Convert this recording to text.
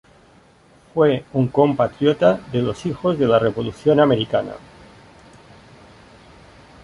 Fue un compatriota de los Hijos de la Revolución Americana.